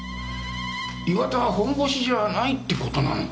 岩田はホンボシじゃないって事なのか？